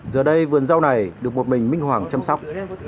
giờ đây vườn rau này được một mình minh hoàng chăm sóc